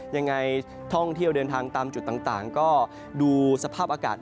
ยังไงท่องเที่ยวเดินทางตามจุดต่างก็ดูสภาพอากาศ